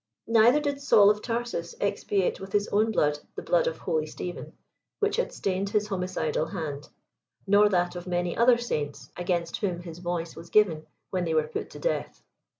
Neither did Saul of Tarsus expiate with his own blood, the blood of holy Stephen, which had stained his homicidal hand, nor that of many other saints against whom his voice was gi^en when they were put to death.